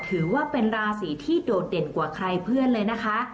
ถือว่าเป็นราศีที่โดดเด่นกว่าใครเพื่อนเลยนะคะ